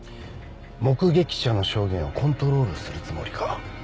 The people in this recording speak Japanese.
目撃者の証言をコントロールするつもりか？